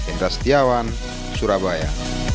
indra setiawan surabaya